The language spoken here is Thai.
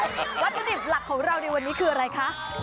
วัตถุดิบหลักของเราในวันนี้คืออะไรคะ